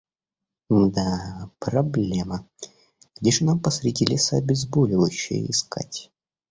Мда, проблема. Где же нам посреди леса обезболивающее искать?